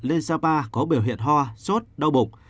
lên sapa có biểu hiện ho sốt đau bụng